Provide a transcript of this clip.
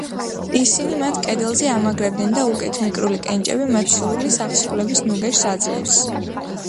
ისინი მათ კედელზე ამაგრებდნენ და უკეთ მიკრული კენჭები მათ სურვილის აღსრულების ნუგეშს აძლევს.